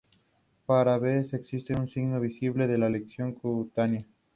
La primera que visitaron fue Decca, que los rechazó.